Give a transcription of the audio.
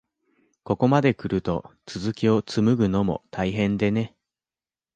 ここまでくると、続きをつむぐのも大変でね。